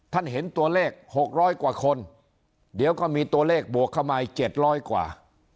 ท่านเห็นตัวเลขหกร้อยกว่าคนเดี๋ยวก็มีตัวเลขบวกเข้ามาอีกเจ็ดร้อยกว่า